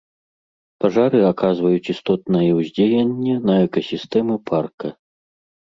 Пажары аказваюць істотнае ўздзеянне на экасістэмы парка.